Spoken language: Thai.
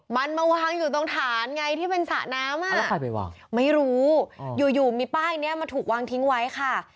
มันมาวางอยู่ตรงฐานไงที่เป็นสระน้ำอ่ะแล้วใครไปวางไม่รู้อยู่อยู่มีป้ายนี้มาถูกวางทิ้งไว้ค่ะ